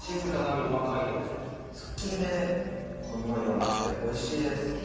すっきりめでほんのり甘くておいしいです。